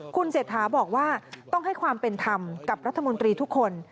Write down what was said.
คุณเศรษฐาบอกว่าต้องให้ความเป็นธรรมกับรัฐมนตรีทุกคน